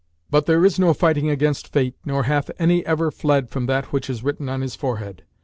But there is no fighting against Fate nor hath any ever fled from that which is written on his forehead.